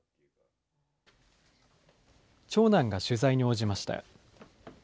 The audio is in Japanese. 長男が取材に応じました。